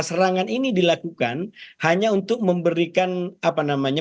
serangan ini dilakukan hanya untuk memberikan apa namanya